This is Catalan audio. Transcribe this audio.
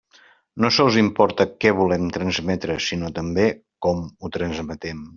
No sols importa què volem transmetre sinó també com ho transmetem.